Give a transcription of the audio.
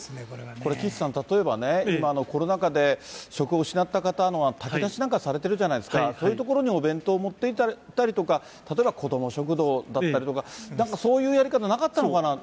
これ、岸さん、例えばね、今、コロナ禍で、食を失った方の炊き出しなんかされてるじゃないですか、そういうところにお弁当を持っていったりとか、例えばこども食堂だったりとか、なんかそういうやり方なかったのかなと。